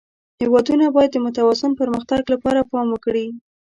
هېوادونه باید د متوازن پرمختګ لپاره پام وکړي.